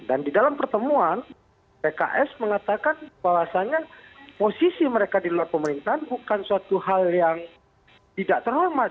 dan di dalam pertemuan pks mengatakan bahwasannya posisi mereka di luar pemerintahan bukan suatu hal yang tidak terhormat